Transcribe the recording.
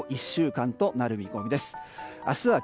１週間となる見込みです。